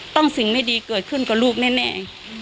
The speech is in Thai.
ต้องสิ่งไม่ดีเกิดขึ้นก็ลูกแน่